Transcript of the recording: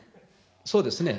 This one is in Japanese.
そうですね。